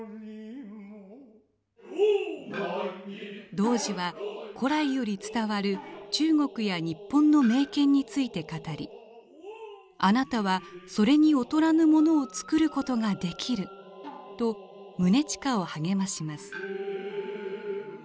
童子は古来より伝わる中国や日本の名剣について語り「あなたはそれに劣らぬものを作ることができる」と宗近を励まします。